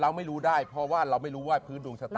เราไม่รู้ได้เพราะว่าเราไม่รู้ว่าพื้นดวงชะตา